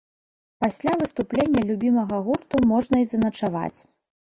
Пасля выступлення любімага гурту можна і заначаваць.